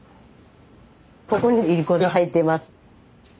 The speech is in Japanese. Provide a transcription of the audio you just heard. ここにいりこが入ってます。